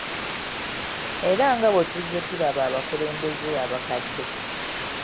Era nga bwe tuzze tulaba abakulembeze abakadde.